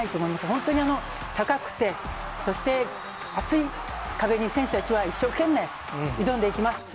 本当に、高くて、そして厚い壁に選手たちは一生懸命挑んでいきます。